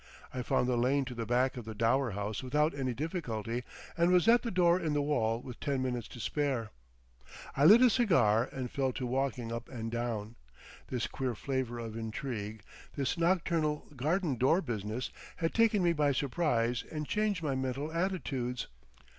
I found the lane to the back of the Dower House without any difficulty, and was at the door in the wall with ten minutes to spare. I lit a cigar and fell to walking up and down. This queer flavour of intrigue, this nocturnal garden door business, had taken me by surprise and changed my mental altitudes.